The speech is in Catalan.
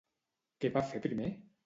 Què va fer primer?